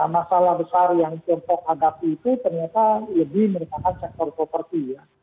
masalah besar yang tiongkok hadapi itu ternyata lebih merupakan sektor properti ya